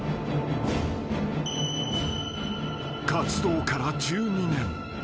［活動から１２年］